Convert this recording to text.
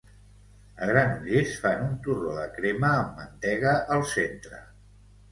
A Granollers fan un torró de crema amb mantega al centre.